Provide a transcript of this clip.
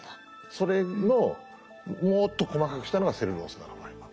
それのもっと細かくしたのがセルロースナノファイバー。